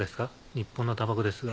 日本のタバコですが。